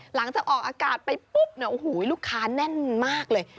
หลังจากออกอากาศไปปุ๊บเนี่ยโอ้โหลูกค้าแน่นมากเลย